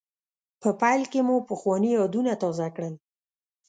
په پیل کې مو پخواني یادونه تازه کړل.